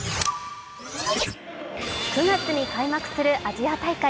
９月に開幕するアジア大会。